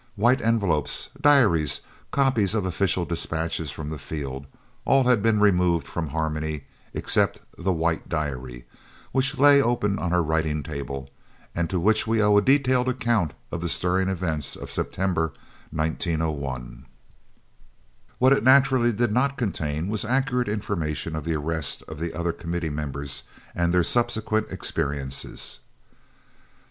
White envelopes, diaries, copies of official dispatches from the field, all had been removed from Harmony, except the "White Diary" which lay open on her writing table, and to which we owe a detailed account of the stirring events of September 1901. What it naturally did not contain was accurate information of the arrest of the other Committee members and their subsequent experiences.